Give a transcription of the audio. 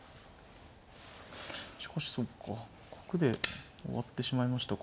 しかしそっか角で終わってしまいましたか。